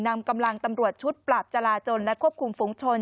นำกำลังตำรวจชุดปราบจราจนและควบคุมฝุงชน